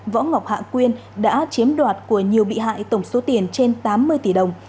võ ngọc hạ quyên đã chiếm đoạt của nhiều bị hại tổng số tiền trên tám mươi tỷ đồng